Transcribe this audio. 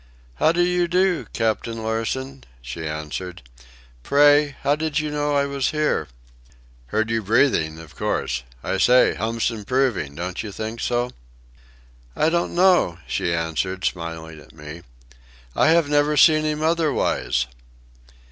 "How do you do, Captain Larsen," she answered. "Pray, how did you know I was here?" "Heard you breathing, of course. I say, Hump's improving, don't you think so?" "I don't know," she answered, smiling at me. "I have never seen him otherwise."